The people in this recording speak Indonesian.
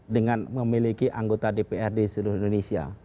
dengan memiliki anggota dprd seluruh indonesia